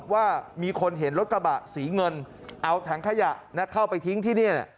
ว่ามีคนเห็นรถกระบะสีเงินเอาถังขยะเข้าไปทิ้งที่นี่